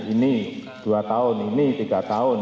ini dua tahun ini tiga tahun